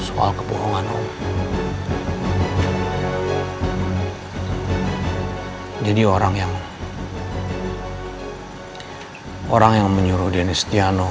oleh seorang penjahat yang bernama dennis tiano